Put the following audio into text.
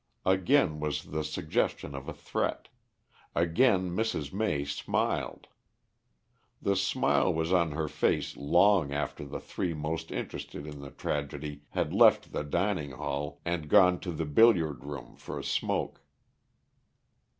Again was the suggestion of a threat; again Mrs. May smiled. The smile was on her face long after the three most interested in the tragedy had left the dining hall and gone to the billiard room for a smoke.